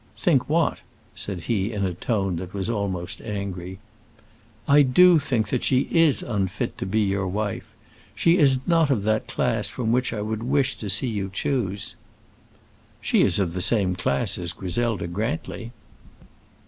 "Think what?" said he, in a tone that was almost angry. "I do think that she is unfit to be your wife. She is not of that class from which I would wish to see you choose." "She is of the same class as Griselda Grantly."